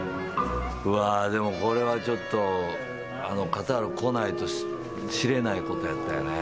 でも、これはちょっとカタール来ないと知れないことやったよね。